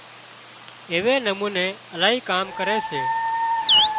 ايوي نموني الاهي ڪام ڪري سي